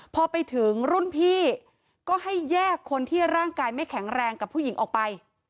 พอไปถึงรุ่นพี่ก็ให้แยกคนที่ร่างกายไม่แข็งแรงกับผู้หญิงออกไป